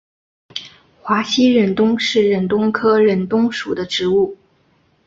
华西忍冬是忍冬科忍冬属的植物。